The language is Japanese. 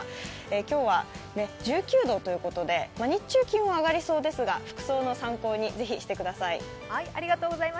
今日は１９度ということで日中、気温は上がりそうですが、服装の参考にぜひしてください。